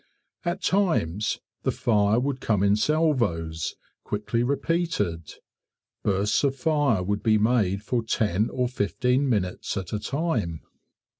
At times the fire would come in salvos quickly repeated. Bursts of fire would be made for ten or fifteen minutes at a time.